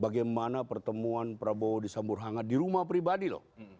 bagaimana pertemuan prabowo di samburhangat di rumah pribadi loh